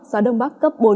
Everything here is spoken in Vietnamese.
gió đông bắc cấp bốn cấp năm